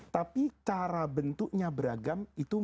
tapi cara bentuknya beragam